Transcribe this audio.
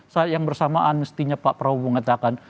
saat yang bersamaan mestinya pak prabowo mengatakan